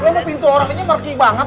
lu pintu orangnya ngergi banget